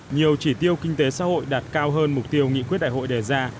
nhiều chỉ tiêu kinh tế xã hội đạt cao hơn mục tiêu nghị quyết đại hội đề ra